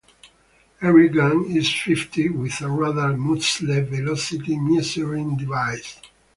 Every gun is fitted with a radar Muzzle Velocity Measuring Device.